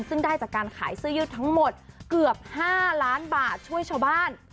ซึ่งได้จากการขายเสื้อยืดทั้งหมดเกือบ๕ล้านบาทช่วยชาวบ้าน